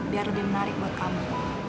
biar lebih menarik buat kamu